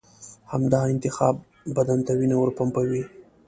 همدا انتخابات بدن ته وینه ورپمپوي.